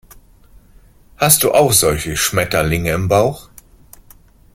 Hast du auch solche Schmetterlinge im Bauch?